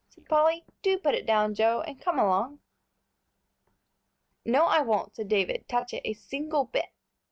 said Polly. "Do put it down, Joe, and come along." "No, I won't," said David, "touch it a single bit."